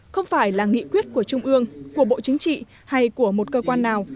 không phải là nghị quyết của trung ương của bộ chính trị hay của một cơ quan nào